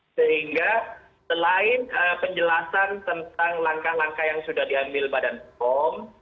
sehingga selain penjelasan tentang langkah langkah yang sudah diambil badan pom